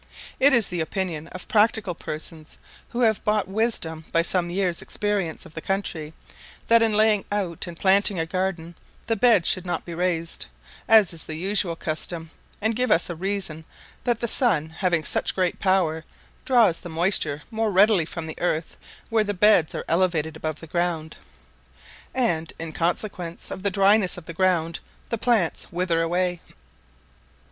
It is the opinion of practical persons who have bought wisdom by some years' experience of the country, that in laying out and planting a garden, the beds should not be raised, as is the usual custom; and give us a reason, that the sun having such great power draws the moisture more readily from the earth where the beds are elevated above the level, and, in consequence of the dryness of the ground, the plants wither away.